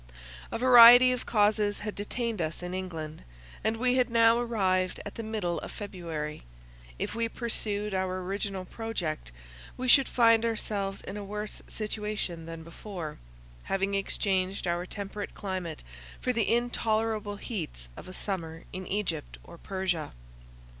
A variety of causes had detained us in England, and we had now arrived at the middle of February; if we pursued our original project, we should find ourselves in a worse situation than before, having exchanged our temperate climate for the intolerable heats of a summer in Egypt or Persia.